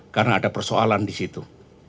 karena ada persoalan disitu